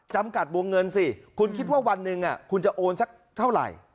จำกัดวงเงินสิคุณคิดว่าวันหนึ่งคุณจะโอนสักเท่าไหร่